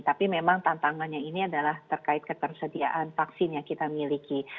tapi memang tantangannya ini adalah terkait ketersediaan vaksin yang kita miliki